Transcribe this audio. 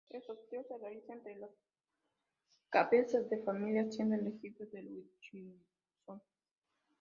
El sorteo se realiza entre los cabezas de familia, siendo elegidos los Hutchinson.